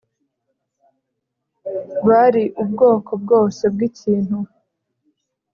bari ubwoko bwose bwikintu